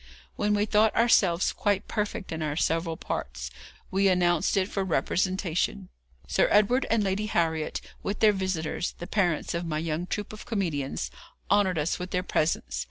When we thought ourselves quite perfect in our several parts, we announced it for representation. Sir Edward and Lady Harriet, with their visitors, the parents of my young troop of comedians, honoured us with their presence.